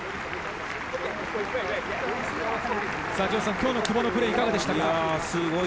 今日の久保のプレーいかがでしたか？